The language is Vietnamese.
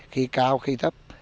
khi cao khi thấp